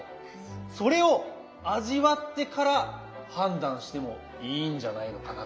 それを味わってから判断してもいいんじゃないのかなと。